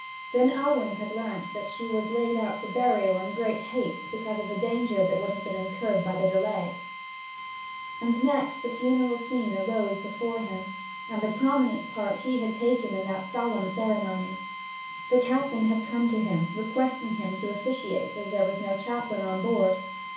Then Alwyn had learnt that she was laid out for burial in great haste, because of the danger that would have been incurred by delay. And next the funeral scene rose before him, and the prominent part that he had taken in that solemn ceremony. The captain had come to him, requesting him to officiate, as there was no chaplain on board.